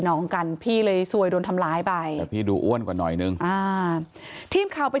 มันดาวแล้วก็ดาวผม